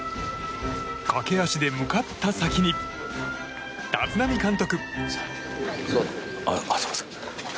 駆け足で向かった先に立浪監督。